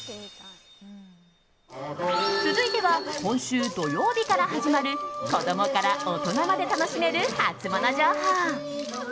続いては、今週土曜日から始まる子供から大人まで楽しめるハツモノ情報。